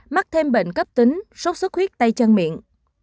một mươi mắc thêm bệnh cấp tính sốt sốt huyết tay chân miệng